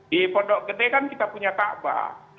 di pondok gede kan kita punya ta'ba